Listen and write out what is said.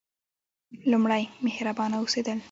لومړی: مهربانه اوسیدل.